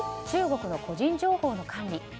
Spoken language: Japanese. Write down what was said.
中国の個人情報の管理